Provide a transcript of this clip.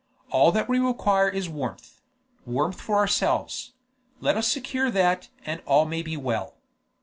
All that we require is warmth warmth for ourselves; let us secure that, and all may be well.